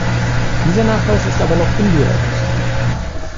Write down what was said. Dieser Nachweis ist aber noch indirekt.